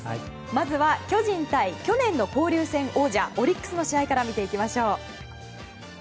まずは、巨人対去年の交流戦王者オリックスの試合から見ていきましょう。